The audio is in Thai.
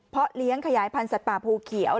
เพราะเลี้ยงขยายพันธุ์สัตว์ป่าภูเขียว